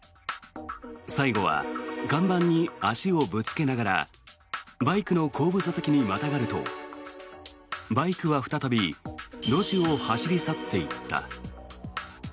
最後は看板に足をぶつけながらバイクの後部座席にまたがるとバイクは再び路地を走り去っていった。